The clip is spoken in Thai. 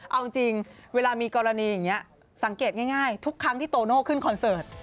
เอาจริงเวลามีกรณีอย่างนี้สังเกตง่ายทุกครั้งที่โตโน่ขึ้นคอนเสิร์ต